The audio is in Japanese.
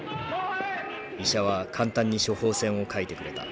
医者は簡単に処方箋を書いてくれた。